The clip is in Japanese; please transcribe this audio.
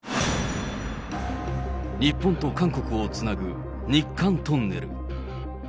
日本と韓国をつなぐ日韓トンネル。